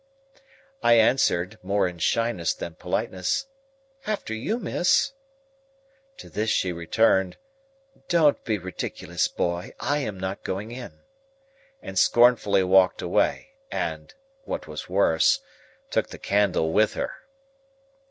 I answered, more in shyness than politeness, "After you, miss." To this she returned: "Don't be ridiculous, boy; I am not going in." And scornfully walked away, and—what was worse—took the candle with her.